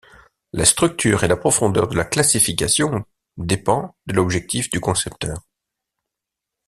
La structure et la profondeur de la classification dépend de l'objectif du concepteur.